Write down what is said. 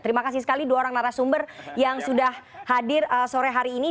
terima kasih sekali dua orang narasumber yang sudah hadir sore hari ini